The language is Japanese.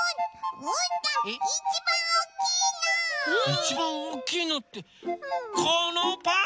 いちばんおおきいのってこのパン？